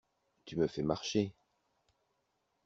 Tu me fais marcher?